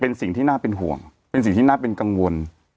เป็นสิ่งที่น่าเป็นห่วงเป็นสิ่งที่น่าเป็นกังวล